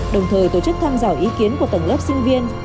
đồng thời tổ chức tham dò ý kiến của tầng lớp sinh viên